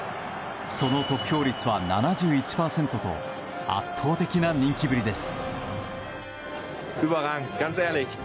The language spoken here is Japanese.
その得票率は７１％と圧倒的な人気ぶりです。